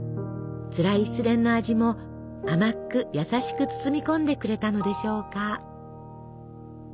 つらい失恋の味も甘く優しく包み込んでくれたのでしょうか。